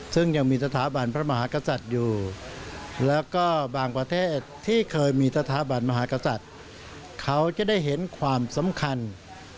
ซึ่งยังมีสถาบันพระมหากษัตริย์อยู่แล้วก็บางประเทศที่เคยมีสถาบันมหากษัตริย์เขาจะได้เห็นความสำคัญ